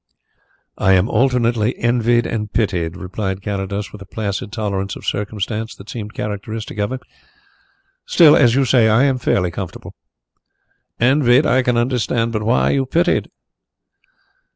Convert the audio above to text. "I am alternately envied and pitied," replied Carrados, with a placid tolerance of circumstance that seemed characteristic of him. "Still, as you say, I am fairly comfortable." "Envied, I can understand. But why are you pitied?"